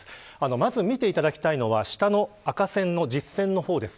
まず見ていただきたいのは下の赤線の実線の方です。